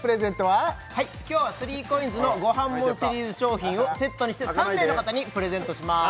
はい今日は３ＣＯＩＮＳの「ごはんもん」シリーズ商品をセットにして３名の方にプレゼントします